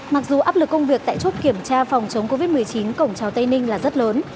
mặc dù áp lực công việc tại chốt kiểm tra phòng chống covid một mươi chín cổng trào tây ninh là rất lớn